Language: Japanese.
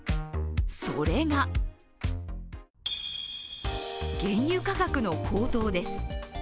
それが原油価格の高騰です。